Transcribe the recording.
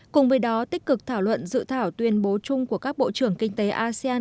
cùng với đó tích cực thảo luận dự thảo tuyên bố chung của các bộ trưởng kinh tế asean